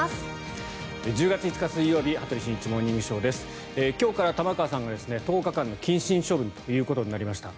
１０月５日、水曜日「羽鳥慎一モーニングショー」。今日から玉川さんが１０日間の謹慎処分ということになりました。